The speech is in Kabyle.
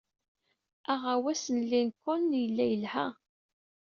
Aɣawas n Lincoln yella yelha.